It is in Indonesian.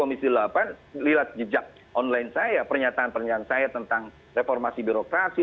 istilah apa liat jejak online saya pernyataan pernyataan saya tentang reformasi birokrasi